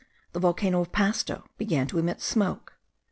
The volcano of Pasto began to emit smoke.